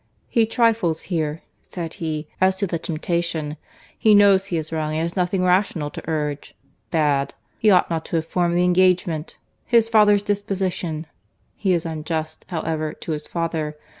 "He trifles here," said he, "as to the temptation. He knows he is wrong, and has nothing rational to urge.—Bad.—He ought not to have formed the engagement.—'His father's disposition:'—he is unjust, however, to his father.